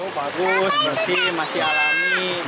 oh bagus bersih masih alam